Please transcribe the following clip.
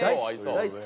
大好き。